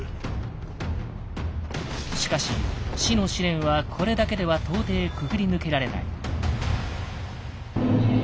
しかし死の試練はこれだけでは到底くぐり抜けられない。